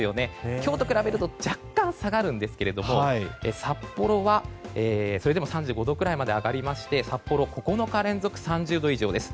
今日と比べると若干下がるんですが札幌はそれでも３５度くらいまで上がりまして札幌、９日連続で３０度以上です。